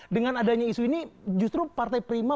dengan adanya isu ini justru partai prima